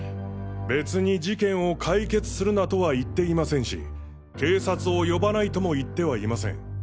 別に事件を解決するなとは言っていませんし警察を呼ばないとも言ってはいません。